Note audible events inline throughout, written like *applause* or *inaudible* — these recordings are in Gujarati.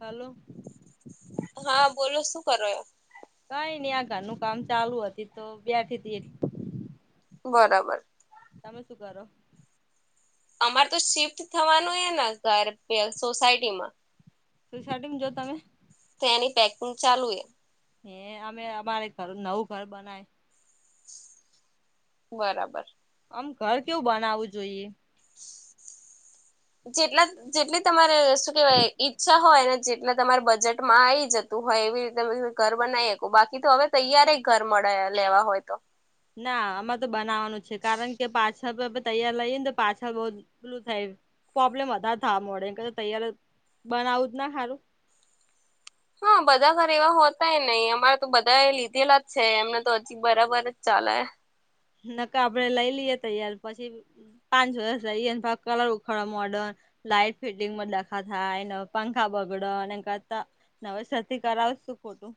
હલો. હા બોલો શું કરો? કઈ નઈ આ ઘરનું કામ ચાલુ હતી તો બેઠી હતી એટલી બરાબર તમે શું કરો અમારે તો શિફ્ટ થવાનું હે ને ઘર સોસાયટીમાં સોસાયટીમાં જો તમે તો એની પેકિંગ ચાલુ એ હે અમે અમારે ઘર નવું ઘર બનાયુ બરાબર આમ ઘર કેવું બનાવવું જોઈએ. જેટલા જેટલી તમારે શું કેવાય ઈજ તા હોય ને જેટલા તમારે બજેટમાં આવી જતું હોય એવી રીતે તો ઘર બનાવી હકુ બાકી તો હવે તૈયાર એ ઘર મળે લેવા હોય તો ના આમાં તો બનાવાનું છે કારણ કે પાછા હ તૈયાર લઈએને તો પાછા બહુ પેલું થાય પ્રોબ્લેમ વધારે થાવા માડે ને એન કરતા તૈયાર બનાવું જ ના હારું હા બધા ઘર એવા હોતાય નહી અમારે તો બધા એ લીધેલા જ છે એમને તો હજી બરાબર જ ચાલે નકર આપડે લઈ લઈએ તૈયાર પછી પાંચ વર્ષ લઈએ ને કલર ઉખાડ મોડન લાઈટ ફિટિંગ માં ડખા થાય પંખા બગડ ને એના કરતા નવેસરથી કરાવ શું ખોટું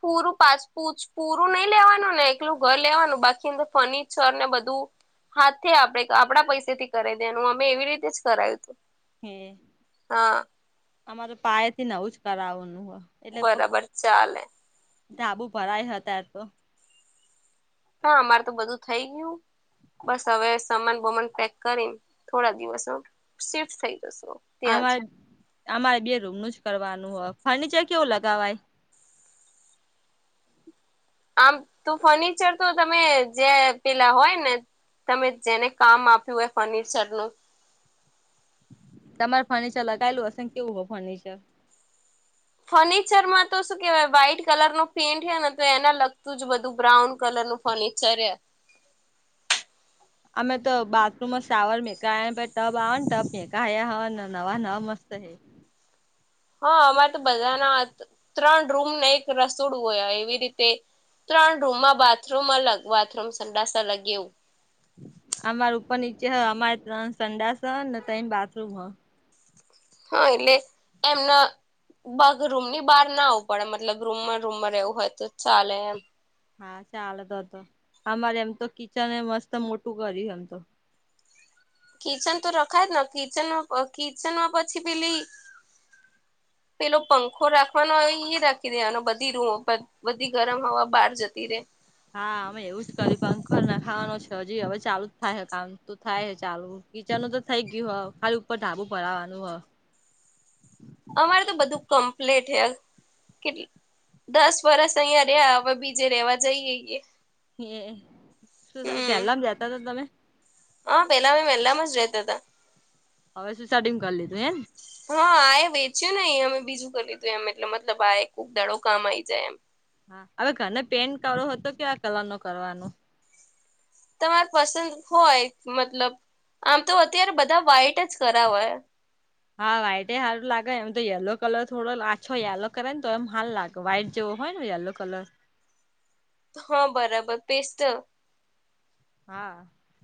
પૂરું પાચ પૂછ પૂરું નઈ લેવાનું ને એકલું ઘર લેવાનું બાકી અંદર ફર્નિચર ને બધું હાથે આપણે આપણા પૈસે થી કરાઈ દેવાનું અમે એવી રીતે જ કરાયું હતું હે હા અમારે પાયાથી નવું જ કરાવવાનું હ એટલે બરાબર ચાલે ધાબુ ભરાય હ અત્યારે તો હા અમારે તો બધું થઈ ગયું બસ હવે સમાન બમાન પેક કરીને થોડા દિવસમાં શિફ્ટ થઈ જશું અમારે અમારે બે રૂમનું જ કરવાનું હો ફર્નિચર કેવું લગાવાય આમ તો ફર્નિચર તો તમે જે પેલા હોય ને તમે જેને કામ આપ્યું હોય ફર્નિચર નું તમારે ફર્નિચર લગાયેલું હશે કેવું હોય ફર્નિચર ફર્નિચરમાં તો શું કેહેવાય વ્હાઈટ કલર નો પેઇન્ટ હે ને તો એને લગતું જ બધું બ્રાઉન કલર નું ફર્નિચર અમે તો બાથરૂમમાં શાવર મેગા ટબ આવ આવા ને ટબ મેકા હે હવા નવા નવા મસ્ત હૈ હા અમારે તો બધાના ત્રણ રૂમને એક રસોડું હોય એવી રીતે. ત્રણ રૂમમાં બાથરૂમ અલગ બાથરૂમ, સંડાસ અલગ એવું અમાર ઉપર નીચે હ અમારે ત્રણ સંડાસ હ ને તઈ બાથરૂમ હ. હા, એટલે એમના. પગ રૂમ ની બાર ના આવું પડે, મતલબ રૂમમા-રૂમા રેવુ હોય તો ચાલે એમ. હા ચાલે તો તો અમારે એમ તો કિચન એ મસ્ત મોટું કરયુ હતુ. કિચન તો રખાય જ નથી, ને કિચન કિચનમાં પછી પેલી પેલો પંખો રાખવાનો હો ઈ રાખી દેવાનો બધી રૂ બધી ગરમ હવા બાર જતી રે. હા અમે એવું જ કરી પંખર નાખાવાનો છે, હજી હવે ચાલુ જ થાહે કામ તો થાય હે ચાલુ. કીચાનુ તો થઈ ગીયું હ, ખાલી ઉપર ઢાબુ ભરાવાનું હ. અમારે તો બધું કમ્પ્લેટ હે. કેટ દસ વરસ અહિયાં રીયે, હવે બીજે રેવા જઈએ. ઈએ. શું ત હમ પેલામ જતા હતા તમે? હા, પેલામે વેલામાં જ રેતા હતા. હવે શું સાડીમ કરી લીધું એમ. હા આ એ વેચ્યું નઈ, એ અમે બીજું કરી લીધું એમ એટલે મતલબ આ ખુક દાડો કામ આવી જાય એમ. હા અવે ઘને પેન કરો હો તો કેઆ કલર નો કરવાનું? તમાયે પસંદ હોય મતલબ આમ તો અત્યારે બધા વાઇટ જ કરાવે. હા વાઈટે હારુ લાગે એમ તો, યેલો કલર થોડો આછો યલો કરે ને તો એમ હાલ લાગે. વાઈટ જેવો હોય ને યલો કલર. હા, બરાબર પેસ્ટ. હા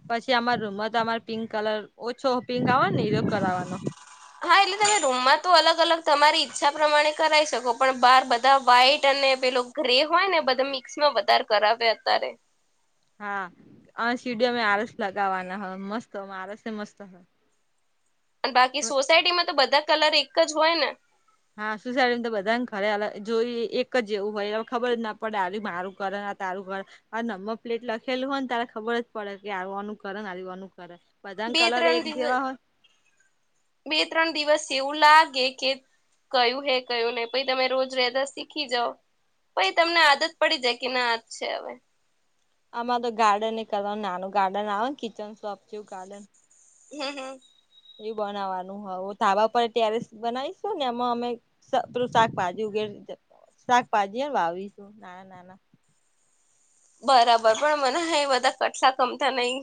પછી અમાર રૂમમાં તો અમાર પિંક કલર ઓછો પિંક આવે ને એરો કરાવાનો. *inaudible* હા એલે તમે રૂમમાં તો અલગ અલગ તમારી ઈચ્છા પ્રમાણે કરાઈ શકો પણ બાર બધા વાઈટ અને પેલો ગ્રે હોય ને બધા મિક્સ માં વધારે કરાવે અતારે. હા અ સીડી આરસ લગાવાના હ મસ્ત આરસ એ મસ્ત. અને બાકી સોસાયટી માં તો બધા કલર એક જ હોય ને. હા સુસાઈળી તો બધા ને ખરે હ જોઈ એક જેવું હોય ખબર જ ના પડે હારયુ મારુ કરે. તારુ ઘર આ નમ્બર પ્લેટ લખેલું હોય ને, તાયે ખબર જ પડે કે આ કોનુ કરે ને આ કોનુ કર હે. બે ત્રણ દિવ બે ત્રણ દિવસ એવું લાગે કે કયું હે કયું નઈ પઈ તમે રોજ રેતા શીખી જાવ. પઇ તમને આદત પડી જાય કે ના આજ છે હવે. આમાં તો ગાર્ડન એ કરવાનુ નાનુ ગાર્ડન આવે ને, કિચન શોપ જેવું ગાર્ડન હમ હમ. ઈ બનાવાનું હો તાબા પર ટેરેસ બનાવીશું ને, એમાં અમે સ પરુ સાકપાજી ઉગેર સાકપાજી એ વાવીશું. નાના નાના બરાબર પણ મને હય બધા કટલા ગમતા નઈ.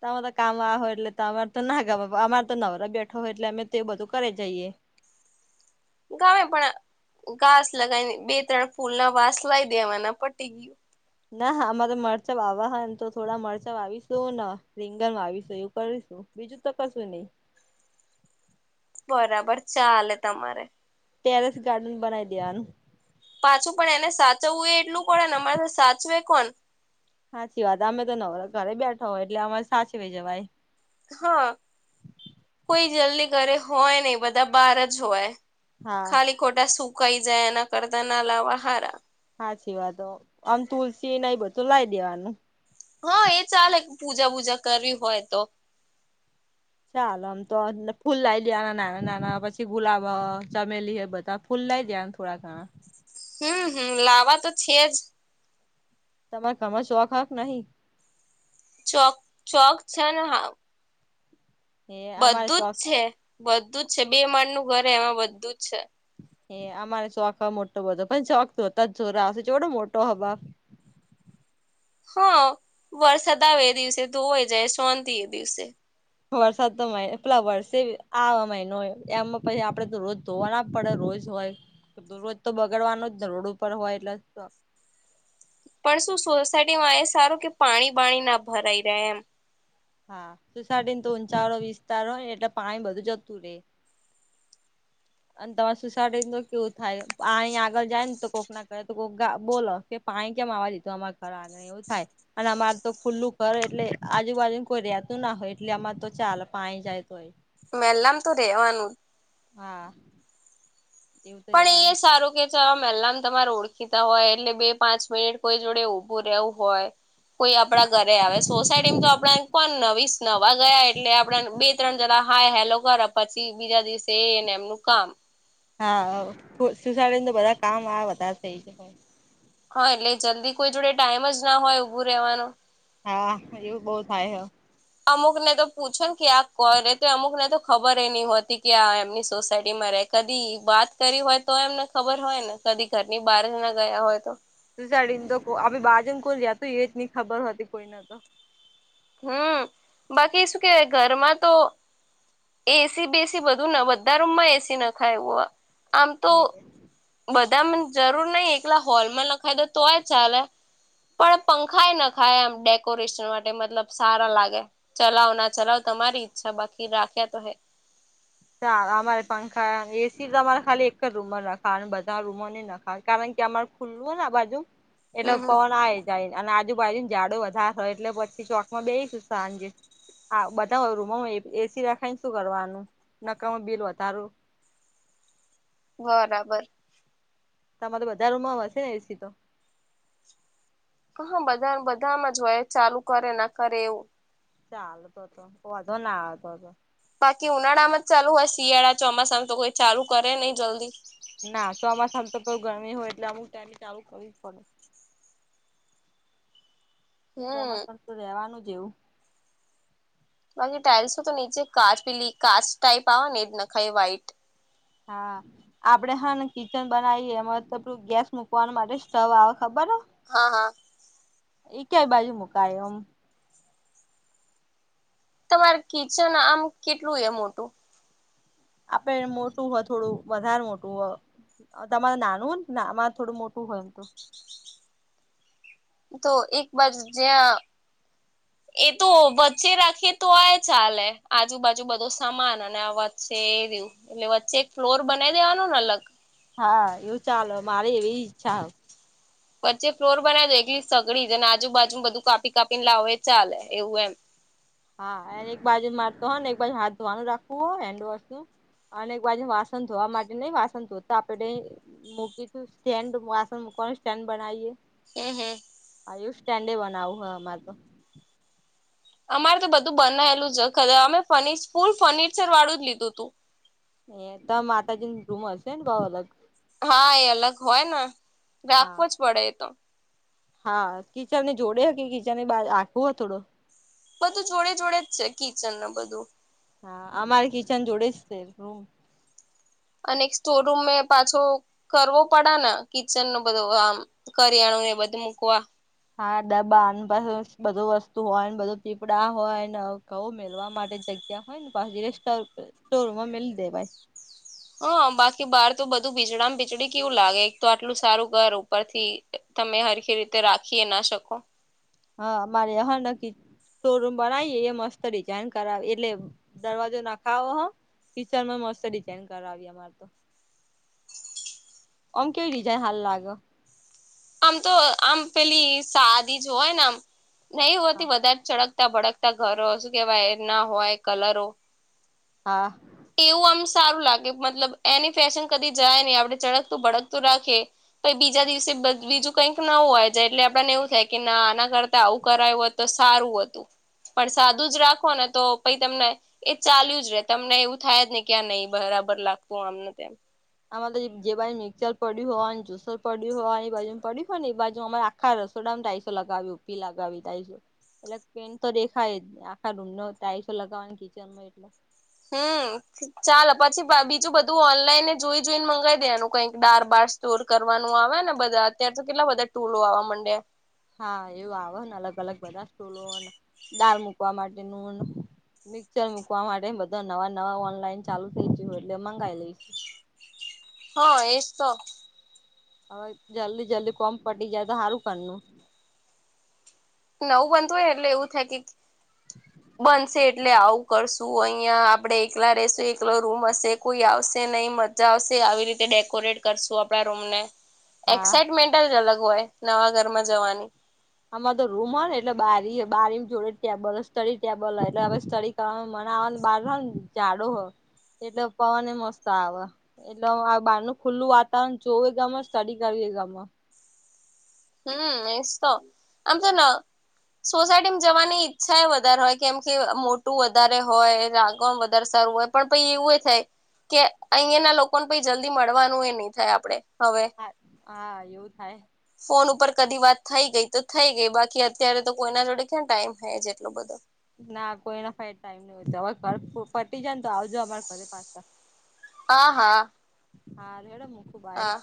તા હો તો કામા હો એટલે તો અમારે તો ના ગામે. અમાર તો નવરા બેઠો હોય એટલે અમે તે બધું કરે જઈએ. ગમે પણ ઘાસ લગાવીને બે-ત્રણ ફૂલ ના વાસ લઈ દેવાના પટી ગયું. નાહા અમારે મરચાં વાવા હે, તો થોડા મરચાં વાવીશું ને રીંગન વાવીસુ એવું કયીસુ. બીજું તો કશું ની. બરાબર, ચાલે તમારે. તેરેસ ગાર્ડન બનાઈ દેયાનું. પાછું પણ એને સાચવવું એ એટલું પડે ને. અમાયે સાચવે કોન? સાચી વાત. અમે તો નવરા ઘરે બેઠા હોય એટલે અમાયે સાચીવી જવાય. હ કોઈ જલ્લી કરે હોય નઈ, બધા બાર જ હોયે. હા ખાલી ખોટા સુકાઈ જાય, એના કરતા ના લાવા હારા. હાચી વાતો. અમ તુલસી નઈ બધું લાયી દેવાનું. હા, એ ચાલે પૂજા બૂજા કરવી હોય તો. ચાલ આમ તો ફૂલ લાય દેવાના ના નાના પછી ગુલાબ અ, ચમેલી એ બધા ખુલ્લા જ ધન થોડા ઘણા હમ હમ લાવા તો છે જ. તમારે કમર શોખ હાક નહી. ચોક ચોક છે ને હા. એ અમારે બધું શોખ જ છે બધું જ છે બે માળ નું ઘરે એમાં બધું જ છે. હ અમારે શોખ હ મોટો બધો પણ શોખ જોતા જ જો હશે જોડો મોટો હવા. હા વરસાદ આવે એ દિવસે ધોવાઈ જાય શોંતિ એ દિવસે વરસાદ તો મહિ પેલા વરષ આ મહિનો હોય એમાં પછી આપડે તો રોજ ધોવા ના પડે રોજ હોય રોજ તો બગાડવાનો જ ને રોડ ઉપર હોય એટલે પણ શું સોસાયટીમાં એ સારું કે પાણી બાણી ના ભરાઈ રહે એમ હા સુોસાયટી ને તો ઊંચા વાળો વિસ્તાર હોય ને એટલે પાણી બધું જતું રહેે. અને તમારે સુસડીો કેવું થાય અહી આગળ જાય ને તો કોક ના કે તો કોઈક બોલો કે પાણી કેમ આવવા લીધું અમારે ઘર આ એવું થાય. અને અમારે તો ખુલ્લું કરર એટલે આજુબાજુને કોઈ રતું ના હોય એટલે અમાર તો ચાલ પાણી જાય હોય. મેહેલામ તું રહેવાનું. હા. એવું તો પણ રહેવાનું એ સારું કે. ચા એલમ તમારે ઓળખીતા હોય એટલે બે પાંચ મિનિટ કોઈ જોડે ઊભું રહેવું હોય, કોઈ આપડા ઘરે આવે સોસાયટીમાં તો આપડા પણ નવીસ નવા ગયા એટલે આપડા બે- ત્રણ જણાં હા, હેલો કરો પછી બીજા દિવસે એને એમનું કામ, હા સુસડીને તો બધા કામ આ વધારે થઈ જવાય. હા, એટલે જલ્દી કોઈ જોડે ટાઈમ જના હોય ઊભો રહેવાનો, હા એવું બહુ થાય હે. અમુક નેતો પૂછો ને ક્યાં કરે તો અમુક નેતો ખબર એ નહીં હોતી કે આ એમની સોસાયટીમાં રહેતી. કદી વાત કરી હોય તો એમને ખબર હોય ને કદી ઘરની બહારના ગયા હોયતો, તું સાડીનેતો બાજને કોલ જાતું એજ નહી ખબર હો હતી કોઈ નાતો, હું, બાકી શું કેવાય ઘરમાં તો એસી બેસી બધું ના બધા રૂમમાં એસી ના ખાયું આમ તો, હમ બધા જરૂર નહીં એકલા હોલમાં લખાય દોતો હોય ચાલે, પણ પંખા એ નખાય આમ ડેકોરેશન માટે મતલબ સારા લાગે, ચલાવ ના ચલાવ તમારી ઈચ્છા બાકી રાખ્યા તોહે, અમારે પંખા એસી તમારે ખાલી એક જ રૂમમાં રાખી ખા બધાર રૂમ ના ખાય કારણ કે અમાર ખુલ્લું હોને આ બાજુ એટલે હમ હમ પવન આવે છે. જાય અને આજુબાજુ ઝાડું વધારે થાય એટલે પછી ચોકમાં બેઈશું સાંજે હા બધા રૂમોમાં એસી રખાયને શું કરવાનું નકામું બિલ વધારુ બરાબર, તમારે બધા રૂમમાં હશેને એસીતો. હા બધા બધામાં જ હોય ચાલુ કરે ના કરે એવું. ચાલતો હતો વાંધોના આવતો હતો. બાકી ઉનાળામાં જ ચાલુ હોય શિયાળા ચોમાસામાં તો કોઈ ચાલુ કરે નહીં જલ્દી ના ચોમાસામાં તો તો ગરમી હોય એટલે અમુક ત્યાંથી ચાલુ કરવી જ પડે. હમ ચોમાસામાં પરતુ રહેવાનું જ એવું, બાકી ટાઈલ્સ તો નીચે કાચ પીલી કાચ ટાઈપ આવેવા ને એજ નખાઈ વ્હાઈટ હા, આપડે હાને કિચન બનાવીએ એમાડું ગેસ મુકવા માટે સ્ટવ આવે ખબર હો. હા, હા. એ ક્યાંય બાજુ મુકાય એમ. તમારે કિચન આમ કેટલું એ મોટું, આપે મોટું હથોડું, વધારે મોટું હોય તમાર નાનું હોયનામાં થોડું મોટું હોય એમતો. *inaudible* તો એકબાજુ જ્યાં એતો વચ્ચે રાખીએ તો હોય ચાલે આજુબાજુ બધો સમાન અને આ વાત છે એ *unintelligible* એટલે વચ્ચે એક ફ્લોર બનાઈ દેવાનો ને અલગ. હા એવું ચાલો મારી એવી ઈચ્છા હો. વચ્ચે ફ્લોર બનાવી દો, એ એકટલી સગડી જ અને આજુબાજુ બધું કાપી કાપીને લાવોએ ચાલે એવું એમ. હા એ એક બાજુ મારતો હોને એકબાજુ હાથ ધોવાનું રાખવું હો હેન્ડવોશ નું. અને એક બાજુ વાસણ ધવા માટે નઈ વાસણ ધોતા આપડે મૂકી તું સ્ટેન્ડ વાસણ મુકવાનું સ્ટેન્ડ બનાવીએ. એહે આયુ ષ્ટેન્ડે બનાવું હ અમાર તો. *inaudible* અમારે તો બધું બનાયેલું જખર અમે ફનીચર ફૂલ ફર્નિચરવાળું જ લીધું હતું. એતો માતાજીની રૂમ હશે ને બહુ અલગ. હા એ અલગ હોયને હા રાખવો જ પડે એતો. હા કિચનને જોડે હેકે કિચન આખું હો થોડો. બધું જોડે જોડે જ છે કિચન નો બધું. હા અમર કિચન જોડે છે રૂમ અને એક સ્ટોર રૂમ મે પાછો કરવો પડ ના કિચન નો બધો આમ. કરિયાણું ને એ બધું મૂકવા. હા ડબા *unintelligible* બધું વસ્તુ હોયને બધું પીપડા હોય ને કઉ મેલવા માટે જગ્યા હોય. *unintelligible* સ્ટોરમાં મેલી દેવાય હા બાકી બહાર તો બધું ભીજડામાં ભીજડી કેવું લાગે એક તો આટલું સારું ઘર ઉપરથી તમે હરખી રીતે રાખી એ ના શકો. હા અમારે હા *unintelligible* શોરૂમ બનાવીએ એ મસ્ત ડિઝાઇન કરાવીએ એટલે દરવાજો નાખાવો હો કિચનમાં મસ્ત ડિઝાઇન કરાવી અમારે તો. ઓમ કેવી રિઝાઇન હરી લાગે. આમ તો આમ પેલી સાદી જ હોય ને આમ નહી હા હોતી વધારે ચડક તા ભડકતા ઘરો શું કેવાય ના હોય કલરો હા. એવું આમ સારું લાગે મતલબ એની ફેશન કદી જાય નહી આપડે ચડકતું ભડકતું રાખીએ. પાહિ બીજા દિવસે બધ બીજું કઈક નવું હોય છે એટલે આપણને એવું થાય કે ના આના કરતા આવું કરાયું હોય તો સારું હતું. પણ સાદું જ રાખો ને તો પઈ તમને એ ચાલ્યું જ રે તમને એવું થાય જ ને ક્યાં નહી બરાબર લાગતું આમને તેમ. આમ તો જે બાજુ મિક્સચર પડી હોય જુસર પડી હોન એ બાજુ પડી હોય ને એ બાજુ આમ હા રસોડામાં તાઈસો લગાવી *unintelligible* લગાવી ત એટલે પેન તો દેખાય આખા રૂમ ન ટાઈસો લગાવવા કિચનમાં એટ હમ્મ ચાલ પછી બીજું બધું ઓનલાઈન જોઈ જોઈને મગાવી દેવાનું કઈક ડાર બાર સ્ટોર કરવાનું આવે ને બધા અત્ય્યારે તો કેટલા બધા ટૂલો આવવા માંડે. હા એવું આવે ને અલગ અલગ બધા *unintelligible* દળ મૂકવા માટેનું મિક્ચર મૂકવા માટે બધા નવા નવા ઓનલાઈન ચાલુ થઇ *unintelligible* એટલે મંગાવી લઈશ. હા એજ તો. હવે જલ્દી જલ્દી કોમ પટી જાય તો સારું કરનું. નવું બનતું હોય એટલે એવું થાય કે બનશે એટલે આવું કરશું અહિયાં આપડે એકલા રેશું એકલો રૂમ હશે કોઈ આવશે નહીં મ મજા આવશે આવી રીતે ડેકોરેટ કરશું આપણા રૂમ ને. હા એક્સાાઈટમેન્ટ જ અલગ હોય નવા ઘરમાં જવાની. આમા તો રૂમ હોય ને એટલે બારી બારીની જોડે ટેબલ સ્થળી ટેબલ એટલે હવે *unintelligible* તમે મવાને બાર હો ને જાડુ હો એટલે પવન મસ્ત આવે એટલે આ બહાર નુ ખુલ્લું વાતાવરણ જોવું ગમે સ્ટડી કરવી ગમે હમ એસ તો આમ જે ના સોસાયટીમાં જવાની ઈચ્છા એ વધારે હોય કેમ કે મોટું વધારે હોય આગણ વધારે સારું હોય પણ પ એવું એ થાય કે અહીંયા ના લોકોને પ જલ્દી મળવાનું એ નહી થાય આપડે હવે હા એવું થાય ફોન ઉપર કદી વાત થઈ ગઈ તો થઈ ગઈ બાકી અત્યારે તો કોઈના જોડે ક્યાં ટાઈમ થ છે એટલો બધો ના કોઈના ફાય ટાઈમ નહી હોય હવે ઘર પટી જાય ને તો આવજો અમારા ઘરે પાછા હા હા હા રડમ હું ખુબાઈ હા